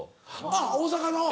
あっ大阪の。